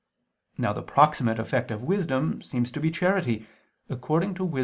Now the proximate effect of wisdom seems to be charity, according to Wis.